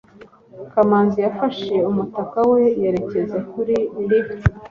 kamanzi yafashe umutaka we yerekeza kuri lift